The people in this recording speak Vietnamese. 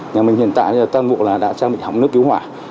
nhà mình hiện tại tâm vụ là đã trang bị hỏng nước cứu hỏa